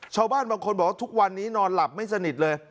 ชาวบ้านบางคนบอกว่าทุกวันนี้นอนหลับไม่สนิทเลย